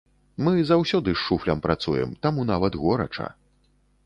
Мы заўсёды з шуфлям працуем, таму нават горача.